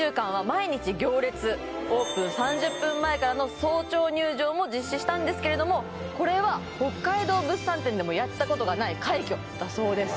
オープン３０分前からの早朝入場も実施したんですけれどもこれは北海道物産展でもやったことがない快挙だそうです